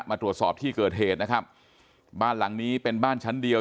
มาตรวจสอบที่เกิดเหตุนะครับบ้านหลังนี้เป็นบ้านชั้นเดียว